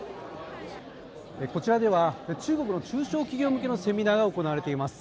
こちらでは中国の中小企業向けのセミナーが行われています。